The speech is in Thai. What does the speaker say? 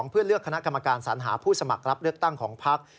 เพื่อเลือกคณะกรรมการสัญหาผู้สมัครรับเลือกตั้งของพัก